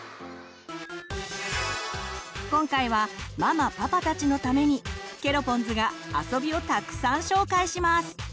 今回はママパパたちのためにケロポンズが遊びをたくさん紹介します！